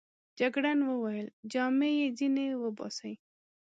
جګړن وویل: جامې يې ځینې وباسئ.